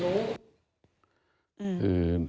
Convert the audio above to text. หนูก็พูดมาตามที่หนูรู้